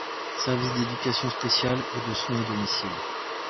service d'éducation spéciale et de soins à domicile.